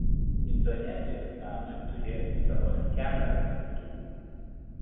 Indonezijos menui turėjo įtakos keletas kultūrų.